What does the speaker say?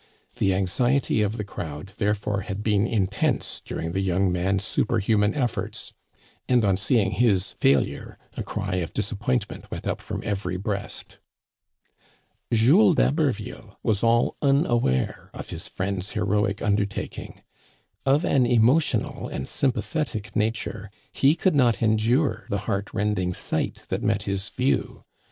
The anxi ety of the crowd, therefore, had been intense during the young man's superhuman efforts, and, on seeing his fail ure, a cry of disappointment went up from every breast. Jules d'Haberville was all unaware of his friend's heroic undertaking. Of an emotional and sympathetic nature, he could not endure the heart rending sight that met his view.